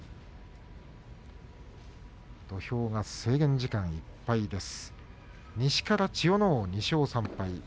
土俵が制限時間いっぱいです。